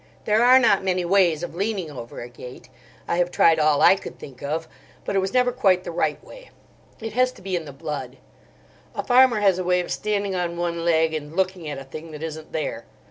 There are not many ways of leaning over a gate. I have tried all I could think of, but it was never quite the right way. It has to be in the blood. A farmer has a way of standing on one leg and looking at a thing that isn't there.